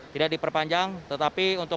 tidak diperpanjang tetapi untuk